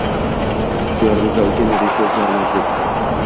Ixtiyorimizda ulkan resurslar mavjud